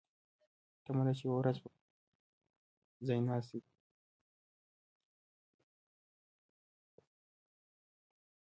تمه ده چې یوه ورځ به د پلار ځایناستې شي.